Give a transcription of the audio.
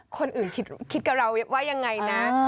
คนอื่นคิดกับเราว่ายังไงนะ